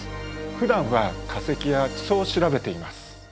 ふだんは化石や地層を調べています。